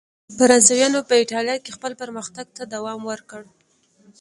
فرانسویانو په اېټالیا کې خپل پرمختګ ته دوام ورکړ.